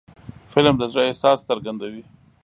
فلم د زړه احساس څرګندوي